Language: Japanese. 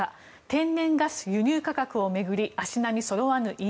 天然ガス輸入価格を巡り足並みそろわぬＥＵ。